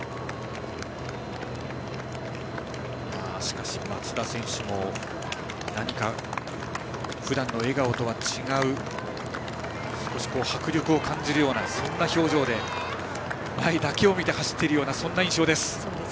しかし松田選手も何か、ふだんの笑顔とは違う少し迫力を感じるような表情で前だけを見て走っているような印象です。